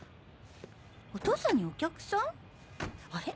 お父さんにお客さん？あれ？